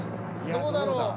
どうだろう。